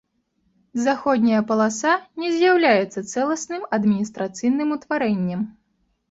Заходняя паласа не з'яўляецца цэласным адміністрацыйным утварэннем.